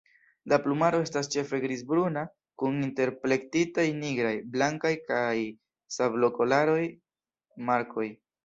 La plumaro estas ĉefe grizbruna kun interplektitaj nigraj, blankaj kaj sablokoloraj markoj.